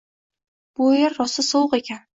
— Bu yer rosa sovuq ekan.